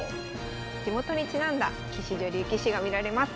地元にちなんだ棋士女流棋士が見られます。